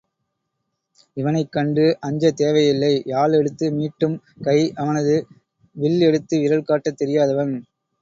இவனைக் கண்டு அஞ்சத் தேவையில்லை யாழ் எடுத்து மீட்டும் கை அவனது, வில் எடுத்து விறல் காட்டத் தெரியாதவன்.